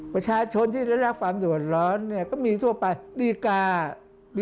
ประชาชนที่รักษ์ความดูดร้อนก็มีทั่วไปดีการ์